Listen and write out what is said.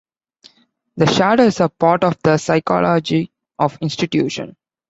The shadow is a part of the "psychology of institutions".